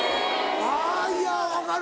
あぁいや分かる。